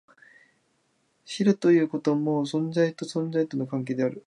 知るということも、存在と存在との関係である。